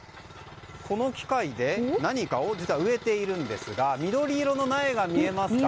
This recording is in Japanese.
この機械で何かを植えているんですが緑色の苗が見えますか。